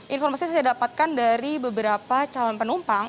informasi yang saya dapatkan dari beberapa calon penumpang